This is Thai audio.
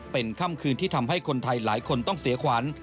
เป็นค่ำคืนที่ทำให้คนไทยหลายคนต้องเสียขวัญ